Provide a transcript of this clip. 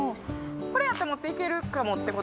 これやったら持っていけるかもって事？